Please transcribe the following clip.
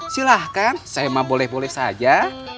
silahkan saya boleh boleh saja